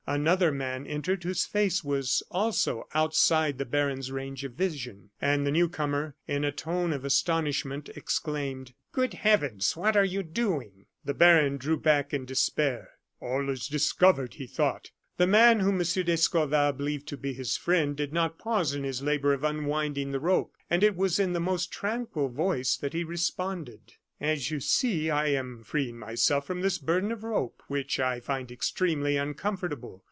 Another man entered, whose face was also outside the baron's range of vision; and the new comer, in a tone of astonishment, exclaimed: "Good heavens! what are you doing?" The baron drew back in despair. "All is discovered!" he thought. The man whom M. d'Escorval believed to be his friend did not pause in his labor of unwinding the rope, and it was in the most tranquil voice that he responded: "As you see, I am freeing myself from this burden of rope, which I find extremely uncomfortable.